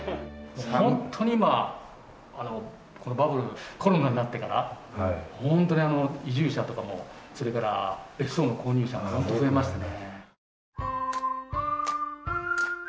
ホントに今このバブルコロナになってからホントに移住者とかもそれから別荘の購入者もホント増えましたね。